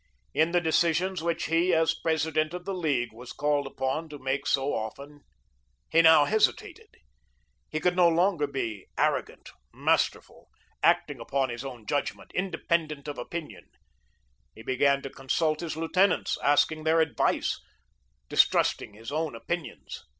In the decisions which he, as President of the League, was called upon to make so often, he now hesitated. He could no longer be arrogant, masterful, acting upon his own judgment, independent of opinion. He began to consult his lieutenants, asking their advice, distrusting his own opinions.